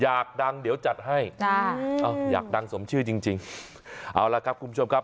อยากดังเดี๋ยวจัดให้จ้าอยากดังสมชื่อจริงจริงเอาละครับคุณผู้ชมครับ